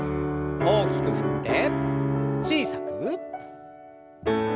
大きく振って小さく。